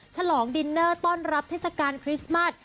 ฉลองดินเนอร์ต้อนรับเทศกาลคริสต์มัส